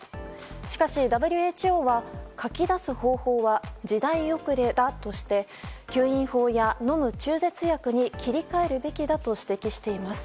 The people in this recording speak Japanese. しかし、ＷＨＯはかき出す方法は時代遅れだとして吸引法や飲む中絶薬に切り替えるべきだと指摘しています。